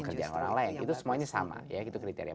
mempekerjakan orang lain itu semuanya sama itu kriteria